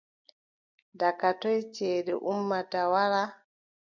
Daga toy ceede ummata wara ?